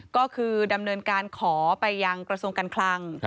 ก็คือดำเนินการขอไปยังกระทรวงการคลัง